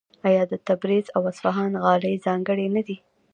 آیا د تبریز او اصفهان غالۍ ځانګړې نه دي؟